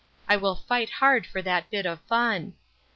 I shall fight hard for that bit of fun.